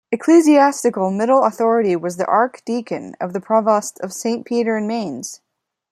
Ecclesiastical Middle Authority was the Archdeacon of the provost of Saint Peter in Mainz.